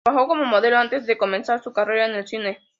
Trabajó como modelo antes de comenzar su carrera en el cine.